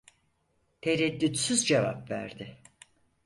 Tereddütsüz cevap verdi.